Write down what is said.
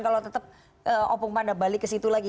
kalau tetap opung panda balik ke situ lagi